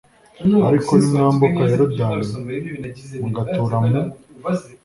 ariko nimwambuka yorodani mugatura mu